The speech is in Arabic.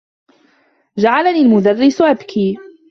جعلني المدرّس أبكي.